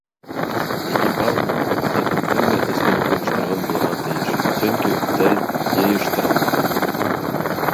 Экипажмы, капитан үҙеме, эскелек ойошторған булырға тейеш, сөнки өҫтәл йыйыштырылмаған.